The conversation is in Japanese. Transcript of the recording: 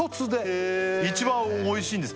へえ「一番おいしいんです」